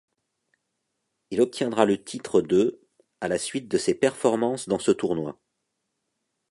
Il obtiendra le titre de à la suite de ses performances dans ce tournoi.